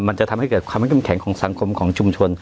มันจะทำให้เกิดความไม่เข้มแข็งของสังคมของชุมชน